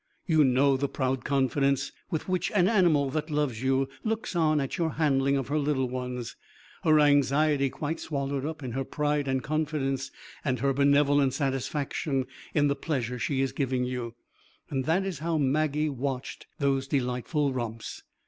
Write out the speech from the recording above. You know the proud confidence with which an animal that loves you looks on at your handling of her little ones her anxiety quite swallowed up in her pride and confidence and her benevolent satisfaction in the pleasure she is giving you. That is how Maggie watched those delightful romps.